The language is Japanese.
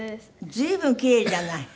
随分キレイじゃない。